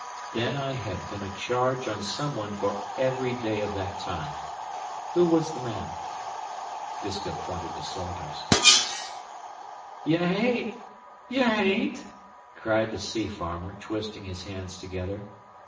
"Then I have been a charge on some one for every day of that time. Who was the man?" Disko pointed to Salters. "Ye hain't ye hain't!" cried the sea farmer, twisting his hands together.